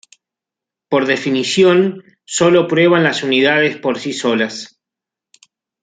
Por definición, sólo prueban las unidades por sí solas.